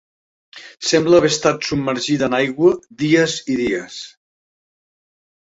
Sembla haver estat submergida en aigua dies i dies.